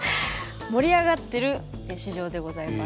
盛り上がってる市場でございます。